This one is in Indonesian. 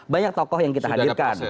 banyak tokoh yang kita hadirkan